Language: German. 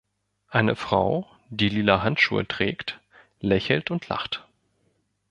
Eine Frau, die lila Handschuhe trägt, lächelt und lacht.